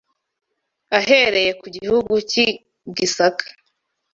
ahereye ku gihugu cy‘ i Gisaka.